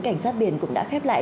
cảnh sát biển cũng đã khép lại